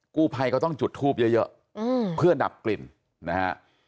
กู้ไพก็ต้องจุดทูบเยอะเยอะอืมเพื่อดับกลิ่นนะฮะ